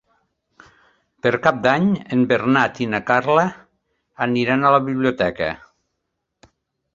Per Cap d'Any en Bernat i na Carla aniran a la biblioteca.